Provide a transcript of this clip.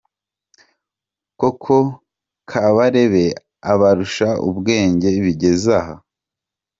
Koko Kabarebe abarushe ubwenge bigeze aha!